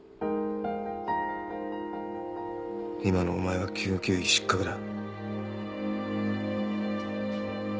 今のお前は救急医失格だ。